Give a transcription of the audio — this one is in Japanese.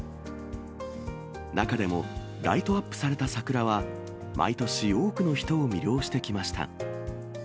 中でも、ライトアップされた桜は、毎年多くの人を魅了してきました。